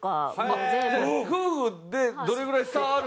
夫婦でどれぐらい差あるか。